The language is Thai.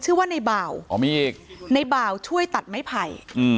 ชื่อว่าในบ่าวอ๋อมีอีกในบ่าวช่วยตัดไม้ไผ่อืม